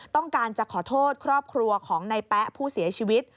ต้องการจะขอโทษครอบครัวของในแป๊ะผู้เสียชีวิต